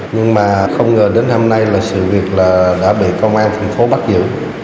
nhưng mà không ngờ đến hôm nay là sự việc là đã bị công an thành phố bắt giữ